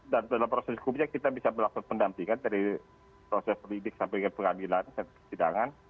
dan dalam proses kubiknya kita bisa berlaku pendampingan dari proses politik sampai ke pengadilan dan kesidangan